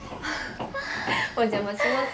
お邪魔します。